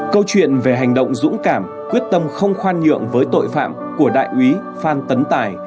câu chuyện về hành động dũng cảm quyết tâm không khoan nhượng với tội phạm của đại úy phan tấn tài